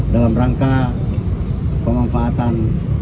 dalam rangka pengamfaatan